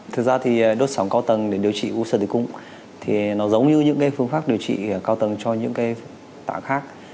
thực ra thì đốt sóng cao tầng để điều trị u sơ tử cung thì nó giống như những phương pháp điều trị cao tầng cho những cái tạ khác